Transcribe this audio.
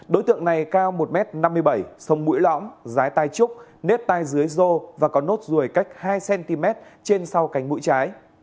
đối tượng này cao một m năm mươi bảy sông mũi lõm giái tai trúc nếp tai dưới rô và có nốt ruồi cách hai cm trên sau cánh mũi trái